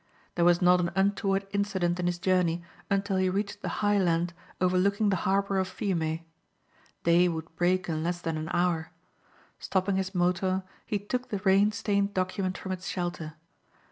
There was not an untoward incident in his journey until he reached the high land overlooking the harbor of Fiume. Day would break in less than an hour. Stopping his motor he took the rain stained document from its shelter.